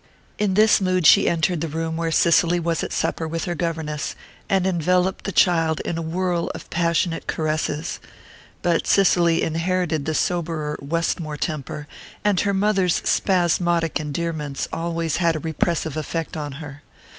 In this mood she entered the room where Cicely was at supper with her governess, and enveloped the child in a whirl of passionate caresses. But Cicely had inherited the soberer Westmore temper, and her mother's spasmodic endearments always had a repressive effect on her.